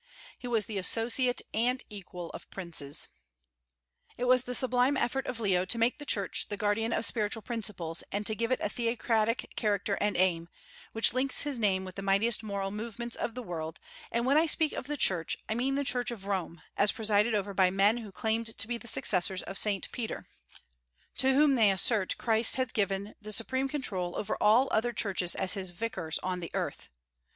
He was the associate and equal of princes. It was the sublime effort of Leo to make the Church the guardian of spiritual principles and give to it a theocratic character and aim, which links his name with the mightiest moral movements of the world; and when I speak of the Church I mean the Church of Rome, as presided over by men who claimed to be the successors of Saint Peter, to whom they assert Christ had given the supreme control over all other churches as His vicars on the earth.